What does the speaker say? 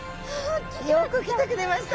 よく来てくれました。